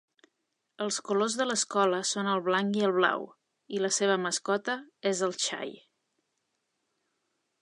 Els colors de l'escola són el blanc i el blau, i la seva mascota és el xai.